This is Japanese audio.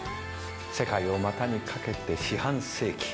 世界を股に掛けて四半世紀。